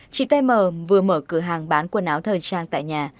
chị t m vừa mở cửa hàng bán quần áo thời trang tại nhà